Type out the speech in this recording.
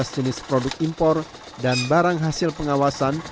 sebelas jenis produk impor dan barang hasil pengawasan